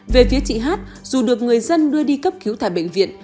về phía chị hát dù được người dân đưa đi cấp cứu tại bệnh viện